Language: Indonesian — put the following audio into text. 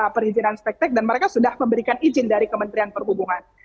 perizinan spektek dan mereka sudah memberikan izin dari kementerian perhubungan